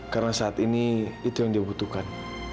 karena saat ini itu yang dia butuhkan